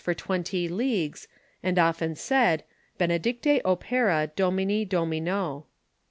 73 for twenty leagues, and often said, " Benedicito opera Domini Domino."